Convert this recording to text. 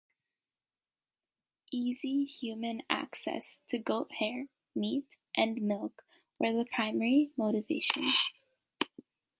Easy human access to goat hair, meat, and milk were the primary motivations.